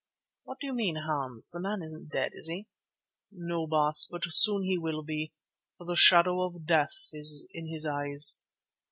"What do you mean, Hans? The man isn't dead, is he?" "No, Baas, but soon he will be, for the shadow of death is in his eyes."